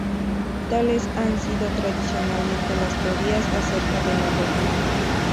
Tales han sido tradicionalmente las teorías acerca de la verdad.